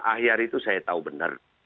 ahyar itu saya tahu benar